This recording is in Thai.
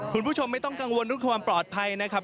คุณผู้ชมไม่ต้องกังวลเรื่องความปลอดภัยนะครับ